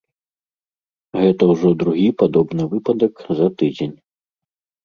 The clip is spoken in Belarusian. Гэта ўжо другі падобны выпадак за тыдзень.